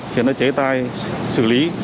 khiến nó chế tay xử lý